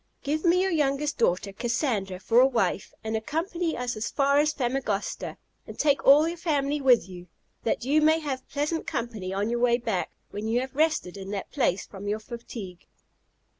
Give me your youngest daughter, Cassandra, for a wife, and accompany us as far as Famagosta, and take all your family with you, that you may have pleasant company on your way back, when you have rested in that place from your fatigue."